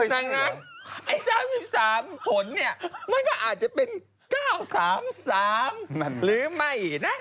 ดังนั้นไอ้๓๓ผลเนี่ยมันก็อาจจะเป็น๙๓๓หรือไม่นะ